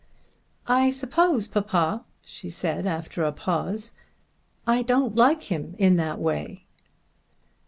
"I suppose, papa," she said after a pause, "I don't like him in that way."